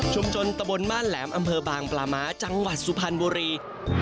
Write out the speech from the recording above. ตะบนบ้านแหลมอำเภอบางปลาม้าจังหวัดสุพรรณบุรี